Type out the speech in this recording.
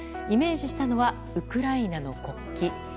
イメージしたのはウクライナの国旗。